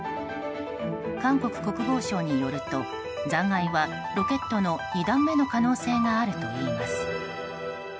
韓国国防省によると、残骸はロケットの２段目の可能性があるといいます。